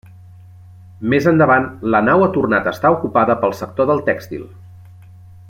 Més endavant, la nau ha tornat a estar ocupada pel sector del tèxtil.